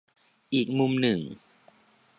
อีกมุมหนึ่ง